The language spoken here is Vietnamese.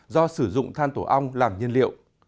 do sử dụng than tổ ong làm nhân liệu